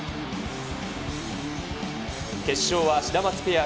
決勝はシダマツペア